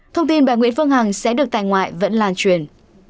thông tin bà nguyễn phương hằng sẽ được tại ngoại vẫn lan truyền